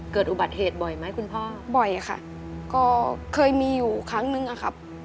เกิดอุบัติเหตุบ่อยไหมคุณพ่อบ่อยค่ะก็เคยมีอยู่ครั้งนึงอะครับ